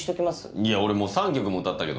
いや俺もう３曲も歌ったけど。